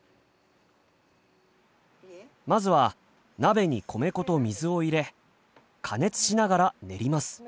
まずは鍋に米粉と水を入れ加熱しながら練ります。